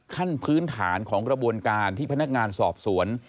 ขั้นพื้นฐานของกระบวนการที่พนักงานสอบสวน